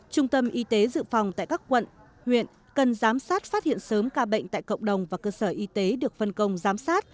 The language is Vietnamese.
trung tâm y tế dự phòng tại các quận huyện cần giám sát phát hiện sớm ca bệnh tại cộng đồng và cơ sở y tế được phân công giám sát